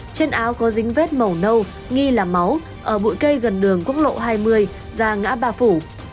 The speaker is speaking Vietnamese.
trên áo có dính vết màu nâu nghi là máu ở bụi cây gần đường quốc lộ hai mươi ra ngã ba phủ